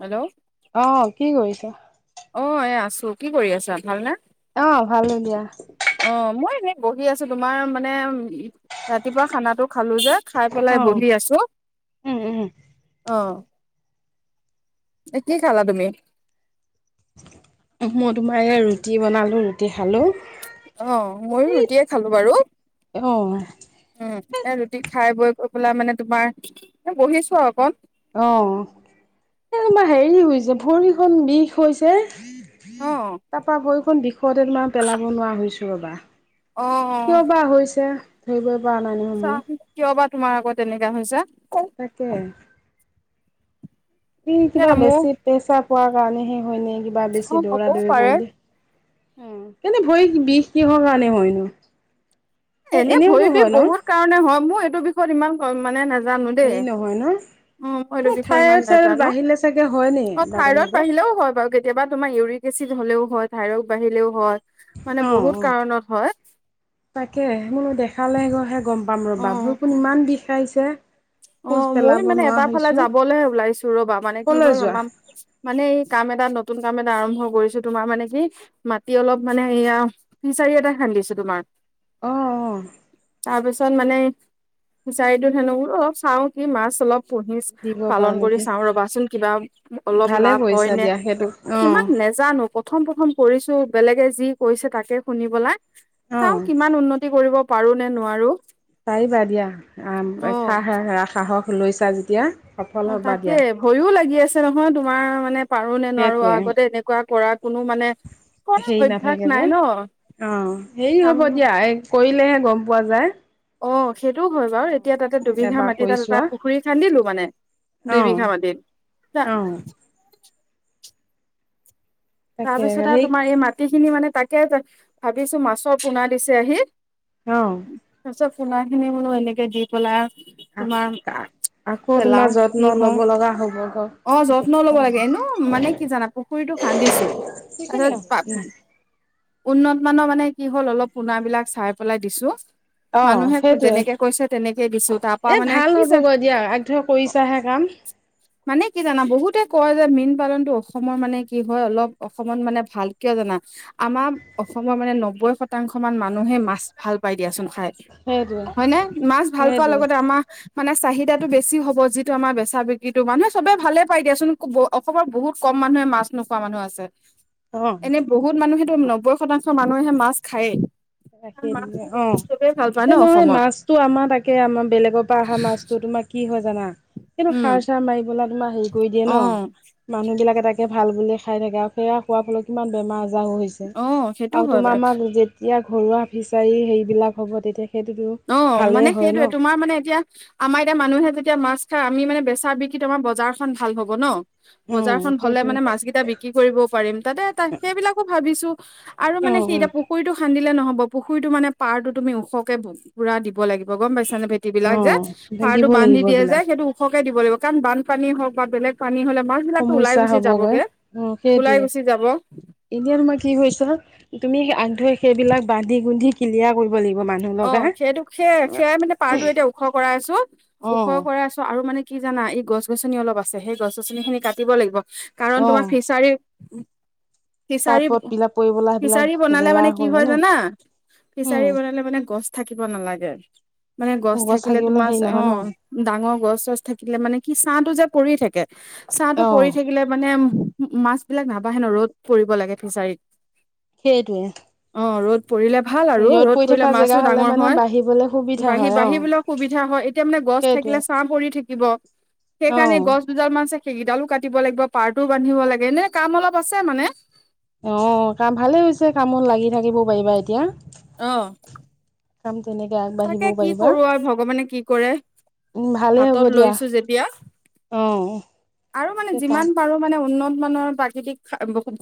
Hello? আহ কি কৰিছা? তোৰ কি কৰি আছা ভাল নে? আহ ভাল হ দিয়া। মই এনেই বহি আছো, তোমাৰ মানে উম ৰাতিপুৱা খানাটো খালো যে, খাই পেলাই অ বহি আছো। উম উম অ'। এ কি খালা তুমি? মই তোমাৰ এয়া ৰুটি বনালো ৰুটি খালো অ ময়ো ৰুটিয়ে খালো বাৰু, অ উম এ ৰুটি খাই বৈ কৈ পেলাই মানে তোমাৰ বহিছো আৰু অকণ। অ এ তোমাৰ হেৰি হৈছে ভৰিখন বিষ হৈছে অ তাৰপৰা ভৰিখন বিষতে মই পেলাব নোৱাৰা হৈছো ৰ'বা। অ কিয় বা হৈছে ধৰিবই পৰা নাই নহয় চা মোৰ কিয় বা তোমাৰ আকৌ তেনেকুৱা হৈছে। তাকে। এ কিবা মোৰ বেছি প্ৰেচাৰ পোৱাৰ কাৰণেহে হয় নে কি কিবা অ বেছি দৌৰা হ'বও দৌৰি পাৰে কৰিলে, উম, কিন্তু ভৰি বিষ কিহৰ কাৰণে হয়নো? এনেই এনেওতো ভৰি দি হয় ন বহুত কাৰণে হয়, মোৰ এইটো বিষয়ত ইমান কম-মানে নাজ হেৰি নহয় ন? এইটো এ বিষয়ে ইমান থাইৰইড চাইৰইড নাজানো বাঢ়িলে চাগে হয় নেকি, অ বা থাইৰইড তেনেকুৱা? বাঢ়িলেও হয় বাৰু কেতিয়াবা তোমাৰ ইউৰিক এচিড হ'লেও হয় থাইৰড বাঢ়িলেও হয় মানে বহুত কাৰণত হয়। তাকেহে, মোৰ দেখালেহে-হে গম পাম অ ৰ'বা, ভৰিখন ইমান বিষাইছে। অ', খোজ পেলাব মইও মানে নোৱাৰা এটা ফালে হৈছোঁ যাবলৈহে ওলাইছো ৰ'বা, মানে কি কলৈ হ'ল, যোৱা আমাৰ মানে এই কাম এটা নত তুন কাম এটা আৰম্ভ কৰিছো, তোমাৰ মানে কি, মাটি অলপ মানে এয়া, ফিচাৰি এটা খান্দিছো তোমাৰ। অ' তাৰ অ'। পিছত মানে, ফিচাৰিটোত সেনেকু-অলপ চাওঁ কি মাছ অলপ দিব পাৰা পুহিচ-পালন কৰি নেকি চাওঁ ৰ'বাচোন, কিবা অলপ ভালে লাভ হয় কৰিছা নে দিয়া সেইটো মানে অঁ ইমান নেজানো, প্ৰথম প্ৰথম কৰিছো বেলেগে যি কৈছে তাকে শুনি পেলাই, অঁ চাওঁ কিমান উন্নতি কৰিব পাৰো নে নোৱাৰো। পাৰিবা দিয়া, উম অ সাহ-সাহস লৈছা যেতিয়া। সফল অ', হ'বা তাকে দিয়া ভয়ো লাগি আছে নহয়, তোমাৰ মানে পাৰো নে নোৱাৰো সেইটোৱে আগতে এনেকুৱা কৰা কোনো মানে কৰা হেৰি অভ্যাস নাথাকে নাই যে, ন অ', হেৰি কাম হ'ব দিয়া, এই কৰিলেহে গম পোৱা যায়। অ', সেইটোও হয় বাৰু, এতিয়া তাতে অঁ দুবিঘা এবাৰ মাটি কৰি এতাত এটা চোৱা পুখুৰী খান্দিলো মানে। দুই অঁ বিঘা মাটিত? অ'। তাৰ তাকে পিছত হেৰি আৰু তোমাৰ এই মাটি খিনি মানে তাকে, ভাবিছো মাছৰ পোনা দিছেহি অ'। পোনাখিনি বুলো এনেকে দি পেলাই আৰু [inaudible] আকৌ তোমাৰ কি যত্ন হওঁ ল'ব লগা হ'ব অ যত্ন লব লাগে এনেও মানে কি জানা পুখুৰীটো [unintelligible] খান্দিছো। তাৰপিছত [unintelligible] উন্নত মানৰ মানে কি হ'ল, অলপ পোনা বিলাক চাই পেলাই দিছো। অ', মানুহে সেইটোৱেই, যেনেকে কৈছে তেনেকে দিছো তাৰ পৰা এ মানে ভাল কি যে হ'বগৈ দিয়া, আগধৰি কৰিছাহে কাম। উ মানে কি জানা, বহুতে কয় যে মীন পালনটো অসমৰ, মানে কি হয় অলপ অসমত মানে ভাল কিয় জানা, আমাৰ অসমৰ মানে নব্বৈ শতাংশ মান মানুহে মাছ ভাল দিয়াচোন খাই, সেইটোৱে হয়নে? মাছ ভাল পোৱাৰ সেইটোৱে লগতে আমাৰ মানে চাহিদাটো বেছি হ'ব। যিটো আম বেচা বিক্ৰীতো। মানুহেব ভালে পাই দিয়াচোন অসমৰ বহুত ক কম মানুহে মাছ নোখোৱা মানুহ আছে। অ' এনেই বহুত মানুহেতো নব্বৈ শতাংশ মানুহে মাছ খায়েই। আৰু মা খুব উৎসৱে এ নহয় মাছতটো আমাৰ তাকে, আমাৰ বেলেগৰ পৰা অহা মাছতো তোমাৰ কি হয় জানা কিন্তু উম সাৰ চাৰ মাৰি পেলা তোমাৰ হেৰি কৰি দিয়ে অ ন। মানুহ বিলাক এটা তাকে ভাল বুলিয়ে খাই থাকে আৰু সেয়া খোৱাৰ ফলত কিমান বেমাৰ আজাৰো হৈছে, অ সেইটো আৰু হয় তোমাৰ বাৰু আমাক যেতি যেতিয়া ঘৰুৱা ফিচাৰী হেৰিবিলাক হ'ব তেতিয়া সেইটোতো অ', ভালেই মানে হয় ন সেইটোৱেই, তোমাৰ মানে এতিয়া আমাৰ এতিয়া মানুহে যে এতিয়া মাছ খাই আমি মানে বেচা-বিক্ৰী তোমাৰ বজাৰখন ভাল হ'ব ন অ বজাৰখন হ'লে সেইটোৱে মানে মাছ কেইটা বিক্ৰী কৰিবও পাৰিম, তাতে সেইবিলাকো ভাবিছো আৰু অ মানে সি এতিয়া পুখুৰীতটো খান্দিলে নহ'ব, পুখুৰীটো মানে পাৰটো তুমি ওখকে ভু পুৰা দিব লাগিব গম পাইছা নে। ভেট অ অ বিলাক যে সাৰ টো দিব বান্ধি লাগিব দিয়ে যে এইবিলাক সেইটো ওখকে সকলোৱে দিব লাগিব, কাৰণ বানপানী হওঁক বা বেলেগ পানী হ'লে মাছ বিলাকতো ওলাই সমস্যা গুচি হবগৈ যাবগে অহ, ওলাই সেইটয়ে। গুচি যাব এতিয়া তোমাৰ কি‌ হৈছে তুমি আন্ধুৱে সেইবিলাক বান্ধি গুন্ধি কিলিয়া কৰিব লাগিব মানুহ অহ' লগাই সেইটোক সেয়া, সেয়াই মানে পাৰটো এতিয়া ওখ কৰাই আছো, ওখ অ কৰাই আছো আৰু মানে কি জানা ই গছ গছনি অলপ আছে সেই গছ-গছনিখিনি কাটিব লাগিব কাৰণ অ তোমাৰ ফিচাৰী উম'। পাত ফিচাৰী, পত বিলাক পৰিবলা সেইবিলাক ফিচাৰী বনালে গেলা মানে কি হৈ হয় জানা, ফিচাৰী উম বনালে মানে গছ থাকিব নালাগে। মানে গছ থাকিলে থাকিবলৈ তোমাৰ হেৰি নহয় ন অহ, ডাঙৰ গছ চছ থাকিলে মানে কি চাহ তো পৰি থাকে চাহটো অ পৰি থাকিলে মানে মাছবিলাক নাবাহে ন, ৰ'দ পৰিব লাগে ফিচাৰীত। সেইটোৱে। অ ৰ'দ পৰিলে ভাল আৰু ৰ'দ পৰি পৰিলে থকা মাছ জেগা মাছটো হলে ডাঙৰ মানে বাঢ়িবলৈ হয়। সুবিধা বাঢি হয় অ বাঢ়িবলৈ সুবিধা হয় এতিয়া মানে গছ সেইটোৱে থাকিলে চাহ পৰি থাকিল। থাকিব অ সেইকাৰণে গছ দুডাল মান চ সেইকেইডালো কাটিব লাগিব, পাৰটোও বান্ধিব লাগে, এনেই কাম অলপ আছে মানে। অহ' কাম ভালে হৈছে কামত লাগি থাকিব পাৰিবা এতিয়া। কাম তেনেকে তাকে আগবাঢ়িবও কি পাৰিবা কৰো আৰু ভগৱানে কি কৰে। উম ভালেই হ'ব হাতত দিয়া লৈছোঁ যেতিয়া। অ আৰু মানে কাম যিমান পাৰো মানে উন্নত মানৰ প্ৰাকৃতিক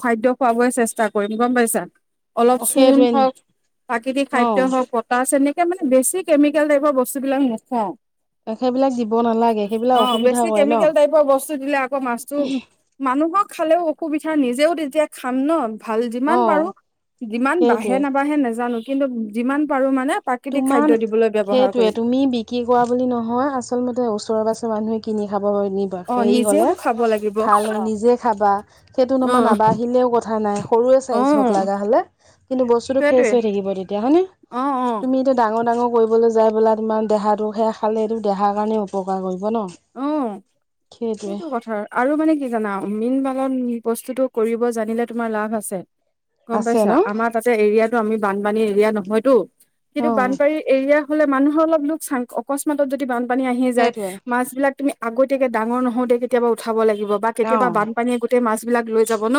খাদ্য খুৱাবই চেষ্টা কৰিম গম পাইছা। অলপ অ চূণ সেইটোৱে হওঁক, প্ৰাকৃতিক অ খাদ্য হওঁক বতাহ চেনে এতিয়া মানে বেছি কেমিকেল টাইপৰ বস্তুবিলাক নোখাওঁ। সেইবিলাক দিব নালাগে সেইবিলাক অহ' অসুবিধা বেছি কৰে ন কেমিকেল টাইপৰ বস্তু দিলে আকৌ মাছটো, মানুহক খালেও অসুবিধা, নিজেও তেতিয়া খাম ন। ভাল অ যিমান পাৰো, যিমান বাঢ়ে সেইটোৱে নাবাঢ়ে নাজানো কিন্তু যিমান পাৰো মানে। প্ৰাকৃতিক খাদ্য তোমাৰ দিবলৈ ব্যৱহাৰ সেইটোৱে, কৰিম। তুমি বিক্ৰী কৰা বুলি নহয় আচলমতে ওচৰ পচ ত' মানুহে কিনি খাবৰ বাবে নিবা। অ', হেৰি হ'লে নিজেওতো খাব লাগিব ভাল নিজে খাবা সেইটো তোমাৰ অ', নাবাৰহিলেও কথা নাই। সৰুৱে চাইছ হওঁক অ', লগা হ'লে। কিন্তু বস্তুটো ফ্ৰেচ হৈ থাকিব তেতিয়া হয়নে অহ', অহ'। তুমি এতিয়া ডাঙৰ ডাঙৰ কৰিবলৈ যাই পেলাই তোমাৰ দেহাটোহে খালে। সেইটো দেহাৰ কাৰণে উপকাৰ কৰিব। ন অহ' সেইটোৱে সেইটো কথা, আৰু মানে কি জানা মেইন পালন বস্তুতটো কৰিব জানিলে তোমাৰ লাভ আছে। গম আছে পাইছা, ন আমাৰ তাতে এৰিয়াটো আমি বানপানী এৰিয়া নহয়তো, অ কিন্তু বানপানী এৰিয়া হ'লে মানুহৰ অলপ লোকচান, অকস্মতত যদি বানপানী আহি যায়। সেইটোৱে আছিলা তুমি আগতিয়াকে ডাঙৰ নহওঁতে কেতিয়াবা উঠাব লাগিব বা অ কেতিয়াবা বানপানী গোটেই মানবিলাক‌ লৈ যাব ন,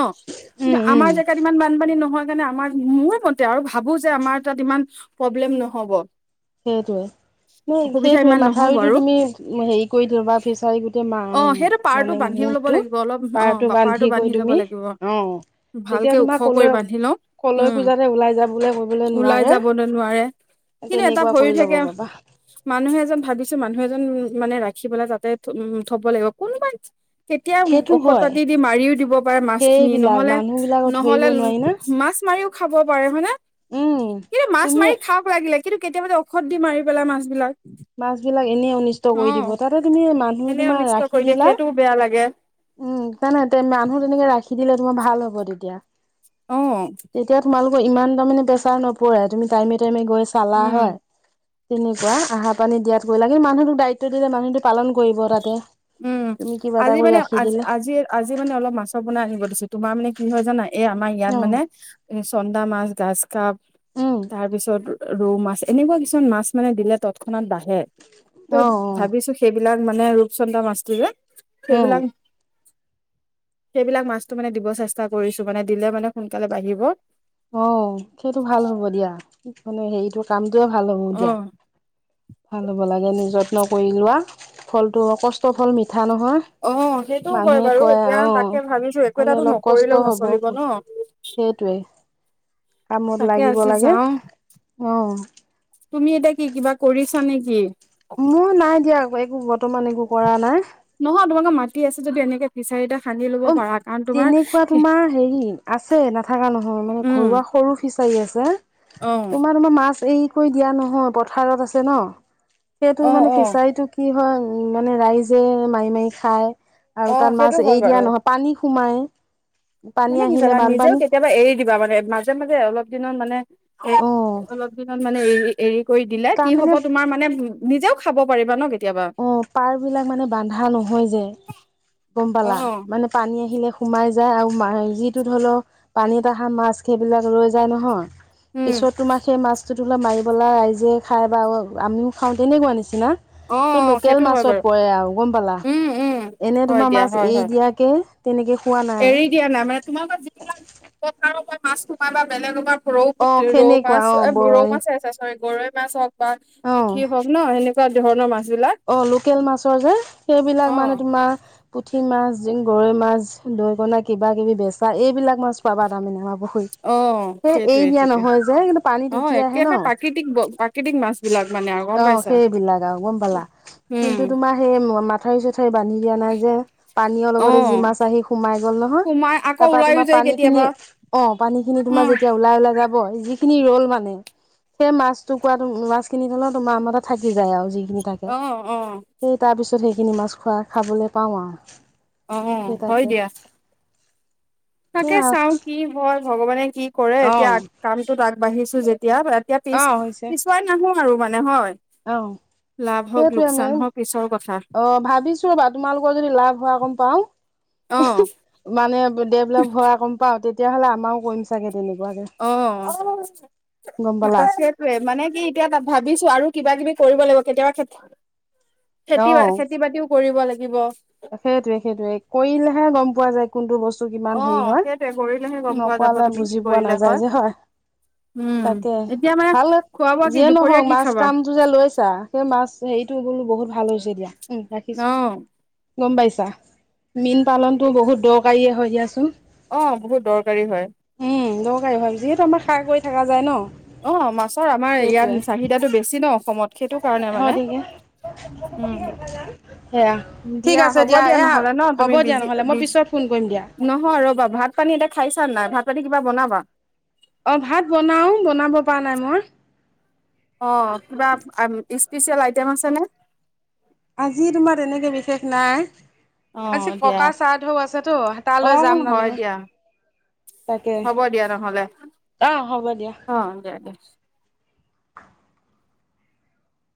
কিন্তু উম উম আমাৰ জেগাত ইমান বানপানী নহয়। মানে আমাৰ মোৰ মতে আৰু ভাবো যে আমাৰ তাত ইমান প্ৰব্লেম নহ'ব। সেইটোৱে ন, অসুবিধা সেইটোৱে ইমান নহ'ব মাথাউৰিটো আৰু তুমি হেৰি কৰি দিওঁ বা ফিচাৰি গোটেই অ সেইটো পাৰটো মা-মানে বান্ধি ল'ব মুখটো লাগিব অলপ অ পাৰটো বান্ধি কৰি ল'ব তুমি লাগিব অ। তেতিয়া ভালকে ওখ তোমাৰ কৰি কলৈ বান্ধি লওঁ কলৈ উম একো জাতে ওলাই যাবলৈ কৰিবলৈ নোৱাৰে তেনেকুৱা হৈ কৰি ল'ব থাকে পাবা মানুহে যেন ভাবিছে, মানুহ এজন মানে ৰাখি পেলাই তাতে উম থব লাগিব কোনবাই তেতিয়া সেইটো ঔষধ হয় পাতি দি মাৰিও দিব পাৰে মাছখিনি সেইবিলাক নহলে মানুহ বিলাকক ধৰিব নহ'লে নোৱাৰি না মাছ মাৰিও খাব পাৰে হয় নে উম কিন্তু মাছ তুমি মাৰি খাওক লাগিলে কিন্তু কেতিয়াবাযে ঔষধ দি মাৰি পেলায় মাছ বিলাক মাছ বিলাক এনেই অনিষ্ট অ কৰি দিব তাতে তুমি মানুহ এনে তোমাৰ অনিষ্ট ৰাখি কৰি দিয়ে দিলা সেইটোও বেয়া লাগে উম ত নহয় মানুহ তেনেকে ৰাখি দিলে তোমাৰ ভাল হ'ব তেতিয়া উম। ত ইমান তাৰমানে প্ৰেছাৰ নপৰে তুমি টাইমে টাইমে গৈ চালা উম হয় তেনেকুৱা আহা পানী দিয়াত গৈ লাগে মানুহটোক দায়িত্ব দিলে মানুটোক পালন কৰিব তাতে উম তুমি কিবা এটা আজি কৰি মানে ৰাখিব আজি আজি আজি মানে অলপ মাছৰ পোনা আনিব দিছো তোমাৰ মানে কি হয় জানা এই আমাৰ ইয়াত অ মানে চন্দা মাছ গাজ কাপ উম তাৰ পিছত ৰৌ মাছ এনেকুৱা কিছুমান মাছ মানে দিলে তৎক্ষণত বাঢ়ে ত' অ অ ভাবিছো সেইবিলাক মানে ৰূপচন্দ্ৰা মাছটো যে উম সেইবিলাক সেইবিলাক মাছতটো মানে দিব চেষ্টা কৰিছো মানে দিলে মানে সোনকালে বাঢ়িব অ সেইটো ভাল হ'ব দিয়া মানে হেৰিতটো কাম ভাল হ'ব অ দিয়া ভাল হ'ব লাগে নিজৰ নকৰি লোৱা ফলটো কষ্ট ফল মিঠা নহয় অ সেইটো হয় মানুহে বাৰু কয় এতিয়া অ তাকে ভাবিছো একো খালি এটো নকৰিলেও নচলিব ন। সেইটোৱেই কামত তাকে লাগিব আজি লাগে যাও অ তুমি এতিয়া কি কিবা কৰিছা নেকি? মোৰ নাই দিয়া একো বৰ্তমান একো কৰা নাই। নহয় তোমালোকৰ মাতি আছে যদি এনেকে ফিচাৰি এটা খান্দি লব অ পাৰা কাৰণ তোমাৰ তেনেকুৱা তোমাৰ হেৰি আছে নাথাকা নহয় মানে উম ঘৰুৱা সৰু ফিচ চাৰি আছে অ তোমাৰ তোমাৰ মাছ এৰি কৰি দিয়া নহয় পথাৰত আছে ন। সেইটো অ মানে অ ফিচাৰীটো কি হয় উ মানে ৰাইজে মাৰি মাৰি খায় আৰু অ তাত মাছ সেইটো হয় এৰি বাৰু দিয়া নহয় পানী সোমাই পানী মানে কি আহিলে জানা নিজেও বানপানী কেতিয়াবা এৰি দিবা মানে মাজে মাজে অলপ দিনত মানে অ অলপ দিনত মানে এৰি এৰি কৰি দিলে কি হব তাৰমানে তোমাৰ মানে নিজেও খাব পাৰিবা ন কেতিয়াবা অ পাৰ বিলাক মানে বন্ধা নহয় যে গম অ পালা মানে পানী আহিলে সোমাই যায় আৰু মা যিটো ধৰি লোৱা পানীত অহাৰ মাছ সেইবিলাক ৰৈ যায় নহয় উম পিছত তোমাৰ সেই মাছ সেইটো ল মাৰিবেলাই ৰাইজে খায় বা আমিও খাওঁ তেনেকুৱা নিচিনা অ সেইটো লোকেল হয় মাছত বাৰু পৰে আৰু গম পালা উম উম এনে হয় তোমাৰ দিয়া মাছ হয় এৰি হয় দিয়াকে তেনেকে খোৱা নাই এৰি দিয়া নাই মানে তোমালোকৰ যিবিলাক পথাৰৰ পৰা মাছ সোমাই বা বেলেগৰ পৰা ৰৌ পু অ ৰৌ সেনেকুৱা মাছ অ ৰৌ বই মাছ আছে চৰি গৰৈ মাছ হওক বা অ পুঠি হওক ন সেনেকুৱা ধৰণৰ মাছ বিলাক অ লোকেল মাছৰ যে সেইবিলাক অ মানে তোমাৰ পুঠি মাছ গৰৈ মাছ দৈকণা কিবা কিবি বেচা এইবিলাক মাছ পাবা তাৰ মানে আমাৰ পুখুৰীত অ সেই সেইটোয়ে এৰি দিয়া সেইটোয়ে নহয় যে কিন্তু অ পানীত উটি আহে ন একেবাৰে প্ৰাকৃতিক প্ৰাকৃতিক মাছ বিলাক মানে আৰু গম আহ পাইছা সেইবিলাক আৰু গম পালা উম কিন্তু তোমাৰ সেই মাথাউৰি চাথাউৰি বান্ধি দিয়া নাই যে পানীয়ৰ অ লগতে যি মাছ আহি সোমাই গ'ল নহয় সোমাই আকৌ তাৰ পৰা ওলাইও তোমাৰ যায় পানী খিনি কেতিয়াবা অ পানী খিনি তোমাৰ উম যেতিয়া ওলাই ওলাই যাব যিখিনি ৰ'ল মানে সেই মাছতটো কোৱা মাছখিনি ধৰি লোৱা তোমাৰ মানে থাকি যায় আৰু যি নি থাকে অ অ' তত সেইখিনি মাছ খোৱা খাবলৈ পাওঁ আৰু। অ'অ' সেই হয় তাকে দিয়া। সেই তাকে চাও কি হয় ভগৱানে কি কৰে অ এতিয়া কামটোত আগবাঢ়িছো যেতিয়া এতিয়া এতিয়া পিছ অ হৈছে পিছুৱাই নাহো আৰু মানে হয় অ লাভ হওক সেইটোৱে লোকচান মেম হওক ঈশ্বৰ অ ভাবিছো ৰ'বা, তোমালোকৰ যদি লাভ হোৱা গম অ পাওঁ মানে ডেভলপ হোৱা গ'ম পাওঁ তেতিয়াহ'লে আমাৰও কৰিম চাগে। তেনেকুৱাকে গম অ' পালা। সেইটয়ে মানে কি এতিয়া ভাবিছো আৰু কিবা কিবি কৰিব লাগিব কেতিয়াবা খে খেতি বা খেতি বাতিও কৰিব লাগিব। সেইটোয়ে সেইটোয়ে কৰিলেহে গম পোৱা যায় কোনটো বস্তু তো কিমান অ হেৰি হয় সেইটোৱে কৰিলেহে গম পোৱা যাব নকৰালে তুমি কি বুজি পোৱা কৰিলে নাযায় যে, হয়। উম তাকে এতিয়া মানে ভাল খোৱা বোৱা কি যিয়ে দুপৰীয়া নহক কি মাছ খাবা কামটো যে লৈছা সেই মাছ হেৰি সটো বোলো বহুত ভাল হৈছে দিয়া উম ৰাখিছো। অ', গম পাইছা মীন পালনটো বহুত দৰকাৰীয়ে হয় দিয়াচোন। অ' বহুত দৰকাৰী হয়। দৰকাৰী ভাবিছো যিহেতু আমাৰ খাৰা কৰি থকা যায় ন। অ' মাছৰ আমাৰ সেইটোৱে ইয়াত চাহিদাটো বেছি ন অসমত সেইটো কাৰণে মানে হয় ঠিকে। সেয়া উম ঠিক দিয়া আছে হ'ব দিয়া এয়া নহলে ন হ'ব তুমি দিয়া বিজি নহ'লে মই বি পিছত ফোন কৰিম দিয়া নহয় ৰ'বা ভাত পানী এতিয়া খাইছা নাই ভাত পানী কিবা বনাবা? অ' ভাত বনাওঁ, বনাব পৰা নাই মই অ' কিবা স্পেচিয়েল আইটেম আছে নে? আজি তোমাৰ এনেকে বিশেষ নাই। অ', আজি দিয়া ককাৰ শ্ৰাধ্ব আছেতো তালৈ অ', যাম হয় তাৰামনে। দিয়া তাকে হ'ব দিয়া নহ'লে আহ হ'ব দিয়া। অ', দিয়া দিয়া।